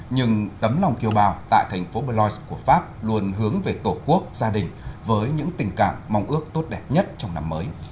nhưng tấm lòng kiều bào tại thành phố blois của pháp luôn hướng về tổ quốc gia đình với những tình cảm mong ước tốt đẹp nhất trong năm mới